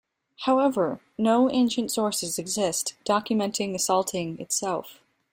However, no ancient sources exist documenting the salting itself.